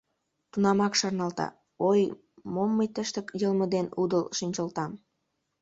Тунамак шарналта: — Ой, мом мый тыште йылме дене удыл шинчылтам.